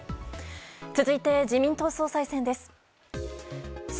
続いて、自民党総裁選です。